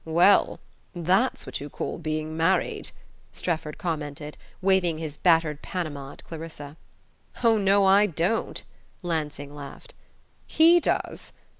"Well that's what you call being married!" Strefford commented, waving his battered Panama at Clarissa. "Oh, no, I don't!" Lansing laughed. "He does.